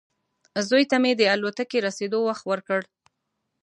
زوی ته مې د الوتکې رسېدو وخت ورکړ.